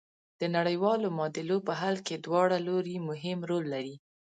د نړیوالو معادلو په حل کې دواړه لوري مهم رول لري.